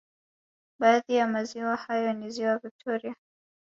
Baadhi ya maziwa hayo ni ziwa Victoria